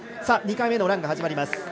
２回目のランが始まります。